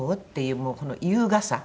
もうこの優雅さ。